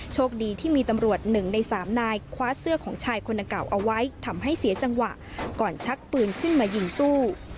โชคดีที่มีตำรวจ๑ใน๓นายคว้าเสื้อของชายคนดังเก่าเอาไว้ทำให้เสียจังหวะก่อนชักปืนขึ้นมายิงสู้